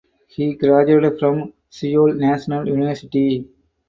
He graduated from Seoul National University.